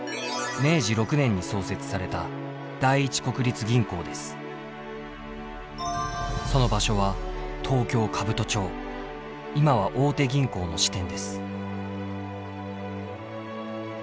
明治６年に創設されたその場所は東京・兜町今は大手銀行の支店です。